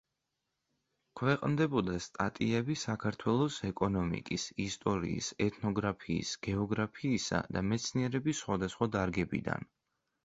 ქვეყნდებოდა სტატიები საქართველოს ეკონომიკის, ისტორიის, ეთნოგრაფიის, გეოგრაფიისა და მეცნიერების სხვადასხვა დარგებიდან.